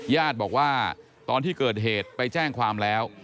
ญาติบอกว่าตอนที่เกิดเหตุไปแจ้งความแล้ว